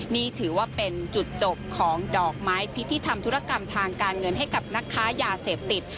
นี่ถือว่าเป็นจุดจบของดอกไม้พิธีทำธุรกรรมทางการเงินให้กับนักค้ายาเสพติด